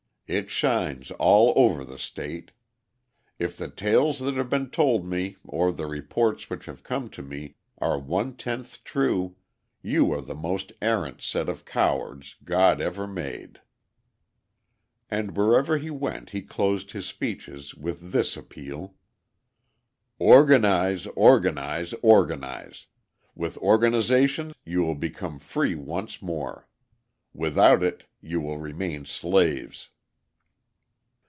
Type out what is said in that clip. It shines all over the state.... If the tales that have been told me or the reports which have come to me are one tenth true, you are the most arrant set of cowards God ever made." And everywhere he went he closed his speeches with this appeal: "Organise, organise, organise. With organisation you will become free once more. Without it, you will remain slaves."